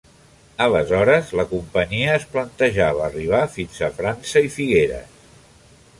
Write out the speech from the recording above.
Aleshores la companyia es plantejava arribar fins a França i Figueres.